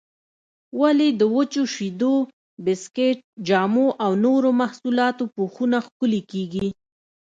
ولې د وچو شیدو، بسکېټ، جامو او نورو محصولاتو پوښونه ښکلي کېږي؟